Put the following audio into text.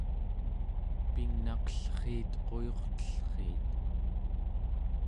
pingnaqellriit quyurtellriit